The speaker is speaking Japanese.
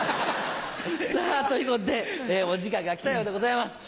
さぁということでお時間が来たようでございます。